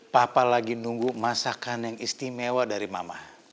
papa lagi nunggu masakan yang istimewa dari mama